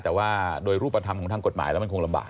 แต่ว่าโดยรูปธรรมของทางกฎหมายแล้วมันคงลำบาก